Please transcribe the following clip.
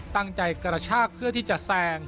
ตั้งใจกระชากเพื่อที่จะแสง